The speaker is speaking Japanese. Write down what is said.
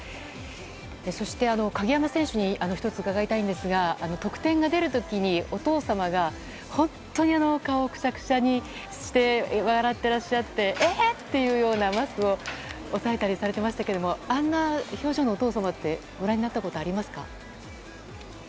そして鍵山選手に１つ伺いたいんですが得点が出る時にお父様が本当に顔をくしゃくしゃにして笑っていらっしゃってえー！っていうようにマスクを抑えたりされてましたがあんな表情のお父様ってご覧になったことありますか？